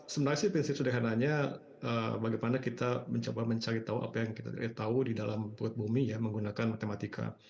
sebenarnya sih prinsip sederhananya bagaimana kita mencoba mencari tahu apa yang kita tahu di dalam perut bumi ya menggunakan matematika